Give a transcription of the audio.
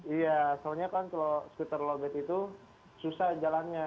iya soalnya kan kalau skuter lobet itu susah jalannya